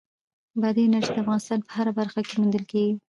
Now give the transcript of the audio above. بادي انرژي د افغانستان په هره برخه کې موندل کېږي.